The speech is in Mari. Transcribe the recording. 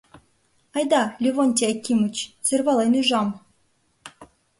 Айда, Левонтий Акимыч, сӧрвален ӱжам.